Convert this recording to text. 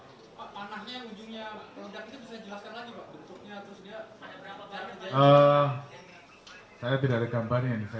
pak panahnya yang ujungnya peledak itu bisa dijelaskan lagi pak